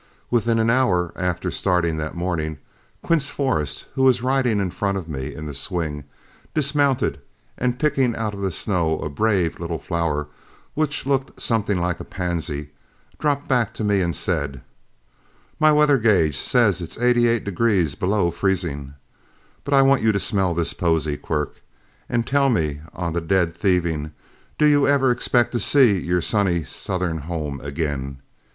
Within an hour after starting that morning, Quince Forrest, who was riding in front of me in the swing, dismounted, and picking out of the snow a brave little flower which looked something like a pansy, dropped back to me and said, "My weather gauge says it's eighty eight degrees below freezo. But I want you to smell this posy, Quirk, and tell me on the dead thieving, do you ever expect to see your sunny southern home again?